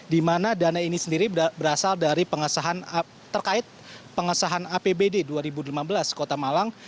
di mana dana ini sendiri berasal dari pengesahan terkait pengesahan apbd dua ribu lima belas kota malang